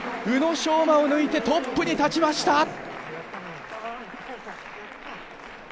宇野昌磨を抜いてトップに立ちました！